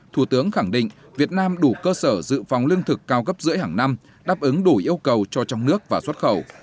thủ tướng khẳng định việt nam đủ cơ sở dự phòng lương thực cao gấp rưỡi hàng năm đáp ứng đủ yêu cầu cho trong nước và xuất khẩu